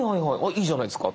いいじゃないですか。